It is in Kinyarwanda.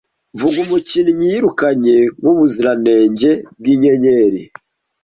Vuga umukinnyi yirukanye nkubuziranenge bwinyenyeri